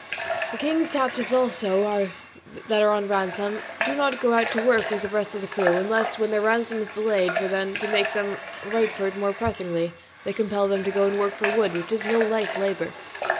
The king's captives also, that are on ransom, do not go out to work with the rest of the crew, unless when their ransom is delayed; for then, to make them write for it more pressingly, they compel them to work and go for wood, which is no light labour.